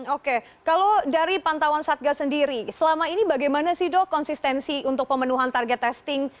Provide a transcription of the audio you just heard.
oke kalau dari pantauan satgas sendiri selama ini bagaimana sih dok konsistensi untuk pemenuhan target testing